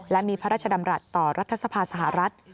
และมีพระราชดำรัฐต่อรัฐสภาสหรัฐ